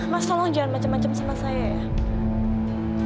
mas tolong jangan macam macam sama saya ya